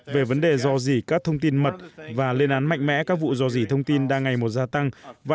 về vấn đề dò dỉ các thông tin mật và lên án mạnh mẽ các vụ do dỉ thông tin đang ngày một gia tăng và